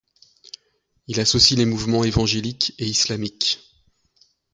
Il associe les mouvements évangéliques et islamiques.